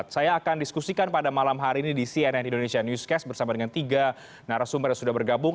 saya akan diskusikan pada malam hari ini di cnn indonesia newscast bersama dengan tiga narasumber yang sudah bergabung